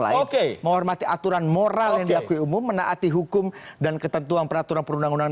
lain menghormati aturan moral yang diakui umum menaati hukum dan ketentuan peraturan perundang undangan